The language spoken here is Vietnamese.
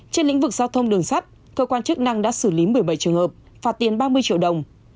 trên lĩnh vực giao thông đường sắt cơ quan chức năng đã xử lý một mươi bảy trường hợp phạt tiền ba mươi triệu đồng